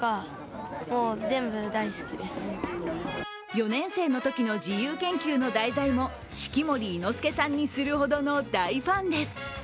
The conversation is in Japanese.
４年生の時の自由研究の題材も式守伊之助さんにするほどの大ファンです。